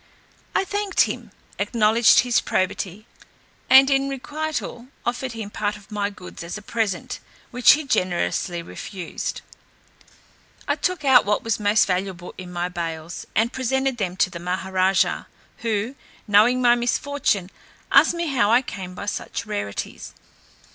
I thanked him, acknowledged his probity, and in requital, offered him part of my goods as a present, which he generously refused. I took out what was most valuable in my bales, and presented them to the Maha raja, who, knowing my misfortune, asked me how I came by such rarities.